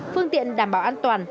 phương tiện đảm bảo an toàn